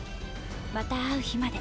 また会う日まで。